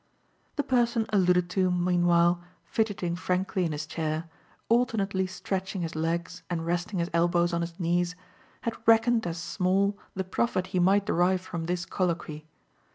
The person alluded to meanwhile, fidgeting frankly in his chair, alternately stretching his legs and resting his elbows on his knees, had reckoned as small the profit he might derive from this colloquy.